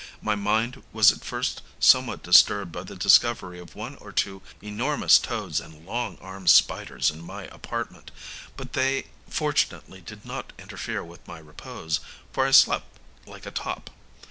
My mind was at first somewhat disturbed by the discovery of one or two enormous toads and long armed spiders in my apartment; but they fortunately did not interfere with my repose, for I slept like a top.